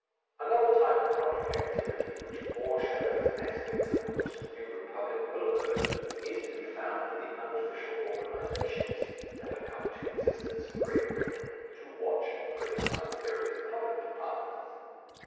Another type of public activity which foreshadows an aspect under which the New Republic will emerge is to be found in the unofficial organizations that have come into existence in Great Britain to watch and criticize various public departments.